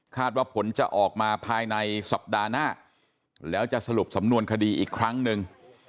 ว่าผลจะออกมาภายในสัปดาห์หน้าแล้วจะสรุปสำนวนคดีอีกครั้งหนึ่ง